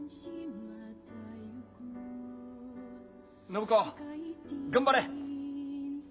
暢子頑張れ！